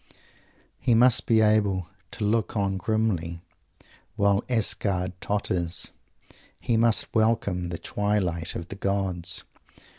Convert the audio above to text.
He must be able to look on grimly while Asgard totters; he must welcome "the Twilight of the Gods."